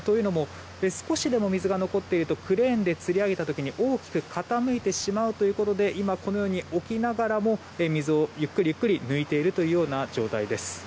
少しでも水が残っている時にクレーンでつり上げた時に大きく傾いてしまうということで今、このように置きながらも水をゆっくりゆっくり抜いている状態です。